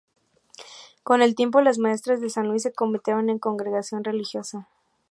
Con el tiempo las maestras de San Luis se convirtieron en congregación religiosa.